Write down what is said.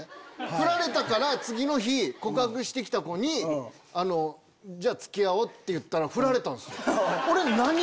フラれたから次の日告白して来た子にじゃあ付き合おうって言ったらフラれたんすよ。